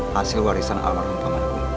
hasil warisan almarhumpaman ku